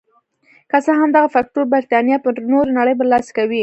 که څه هم دغه فکټور برېتانیا پر نورې نړۍ برلاسې کوله.